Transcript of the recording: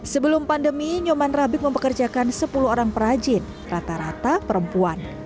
sebelum pandemi nyoman rabik mempekerjakan sepuluh orang perajin rata rata perempuan